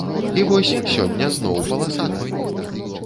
І вось, сёння зноў паласаты!